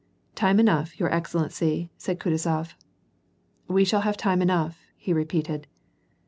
" Time enough, your excellency," said Kutuzof. " We shall have time enough," he repeated.